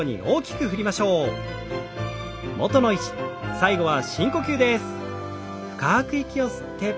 最後は深呼吸です。